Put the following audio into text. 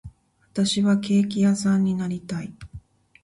私はケーキ屋さんになりたい